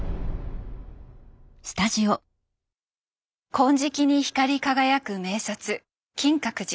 金色に光り輝く名刹金閣寺。